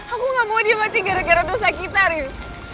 aku gak mau dia mati gara gara dosa kita riz